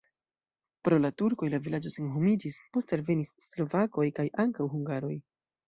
Pro la turkoj la vilaĝo senhomiĝis, poste alvenis slovakoj kaj ankaŭ hungaroj.